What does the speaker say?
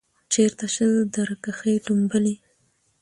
چیرته شل درکښې ټومبلی